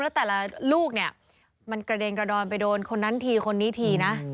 แล้วแต่ละลูกเนี่ยมันกระเด็นกระดอนไปโดนคนนั้นทีคนนี้ทีนะ